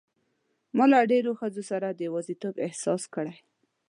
ما له ډېرو ښځو سره د یوازیتوب احساس کړی.